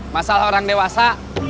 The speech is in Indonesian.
masalah orang dewasa